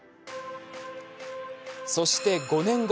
そして、５年後。